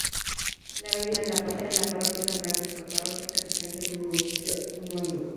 La avenida está ubicada en la parroquia San Francisco, parroquia capital del municipio homónimo.